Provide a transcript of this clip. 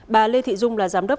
bà lê thị dung là giám đốc